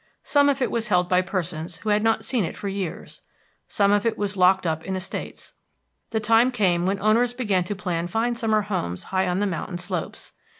Some of it was held by persons who had not seen it for years. Some of it was locked up in estates. The time came when owners began to plan fine summer homes high on the mountain slopes.